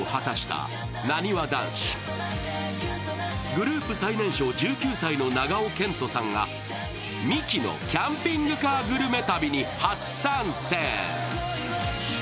グループ最年少１９歳の長尾謙杜さんがミキのキャンピングカーグルメ旅に初参戦。